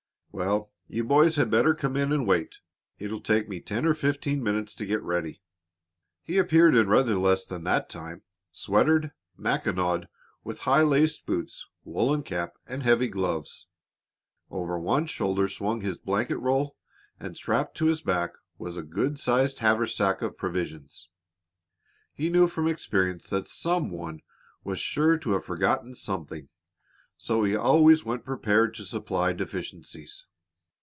"Well, you boys had better come in and wait. It'll take me ten or fifteen minutes to get ready." He appeared in rather less than that time, sweatered, mackinawed, with high, laced boots, woolen cap, and heavy gloves. Over one shoulder swung his blanket roll, and strapped to his back was a good sized haversack of provisions. He knew from experience that some one was sure to have forgotten something, so he always went prepared to supply deficiencies.